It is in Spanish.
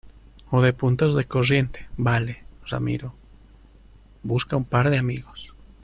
o de puntos de corriente, ¿ vale? ramiro , busca a un par de amigos